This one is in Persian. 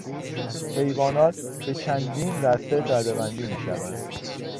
حیوانات به چندین رسته ردهبندی میشوند.